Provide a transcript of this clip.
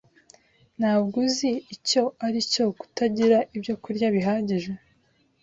Ntabwo uzi icyo ari cyo kutagira ibyo kurya bihagije.